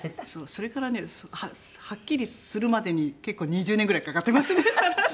それからねはっきりするまでに結構２０年ぐらいかかってますね更に。